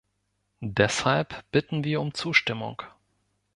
Deshalb bitten wir um Zustimmung.